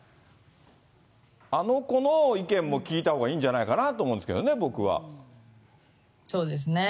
あの子の意見も聞いたほうがいいんじゃないかなと思うんですけどそうですね。